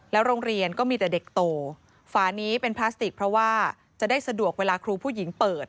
โรงเรียนก็มีแต่เด็กโตฝานี้เป็นพลาสติกเพราะว่าจะได้สะดวกเวลาครูผู้หญิงเปิด